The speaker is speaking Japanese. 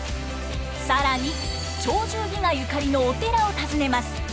更に「鳥獣戯画」ゆかりのお寺を訪ねます。